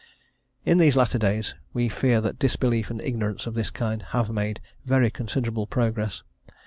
In these latter days we fear that disbelief and ignorance of this kind have made very considerable progress.